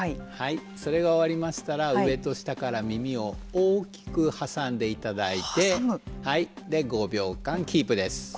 それが終わりましたら上と下から耳を大きく挟んでいただいて５秒間キープです。